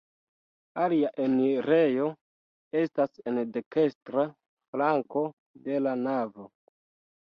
Alia enirejo estas en dekstra flanko de la navo.